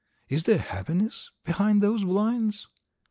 Is there happiness behind those blinds?"